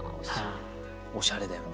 おしゃれだよね。